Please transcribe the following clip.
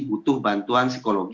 tempat tempat tempat sekolah